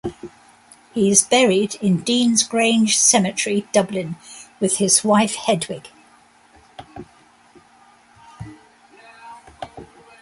He is buried in Deansgrange Cemetery, Dublin with his wife Hedwig.